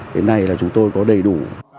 đến nay là chúng tôi có đầy đủ